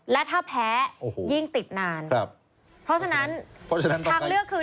และถ้าแพ้ยิ่งติดนานเพราะฉะนั้นทางเลือกคือ